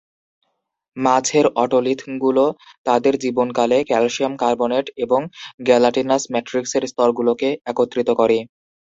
মাছের ওটোলিথগুলো তাদের জীবনকালে ক্যালসিয়াম কার্বনেট এবং গ্যালাটিনাস ম্যাট্রিক্সের স্তরগুলোকে একত্রিত করে।